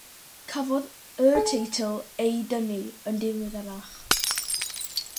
Cafodd y teitl ei dynnu yn ddiweddarach.